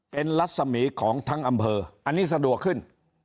เป็นรัศมีของทั้งอำเภออันนี้สะดวกขึ้น